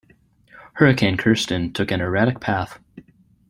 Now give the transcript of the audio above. Hurricane Kirsten took an erratic path.